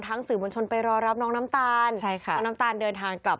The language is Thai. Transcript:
ทั้งสื่อมวลชนไปรอรับน้องน้ำตาลท่านน้ำตาลเดินทางกลับมาแล้ว